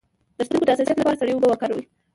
د سترګو د حساسیت لپاره سړې اوبه وکاروئ